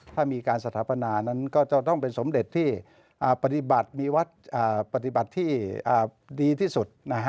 ถ้ามีการสรรพนานั้นก็จะต้องเป็นสมเด็จที่ปฏิบัติที่ดีที่สุด